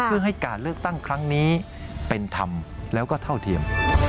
เพื่อให้การเลือกตั้งครั้งนี้เป็นธรรมแล้วก็เท่าเทียม